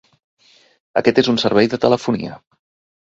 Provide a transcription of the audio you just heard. Aquest és un servei de telefonia.